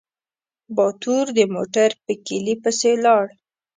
باتور د موټر په کيلي پسې لاړ.